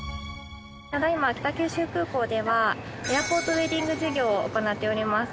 ただ今北九州空港ではエアポートウェディング事業を行っております。